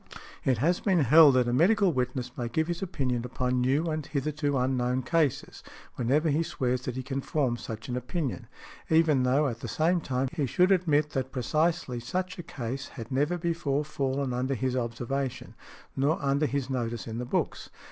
It has been held that a medical witness may give his opinion upon new and hitherto unknown cases whenever he swears that he can form such an opinion, even though at the same time he should admit that precisely such a case had never before fallen under his observation, nor under his notice in the books.